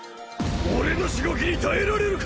俺のしごきに耐えられるか！